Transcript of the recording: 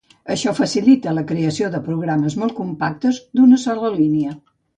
Això facilita la creació de programes molt compactes d'una sola línia.